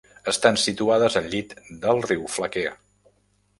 Estan situades al llit del riu Flequer.